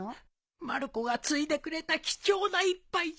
まる子がついでくれた貴重な一杯じゃ。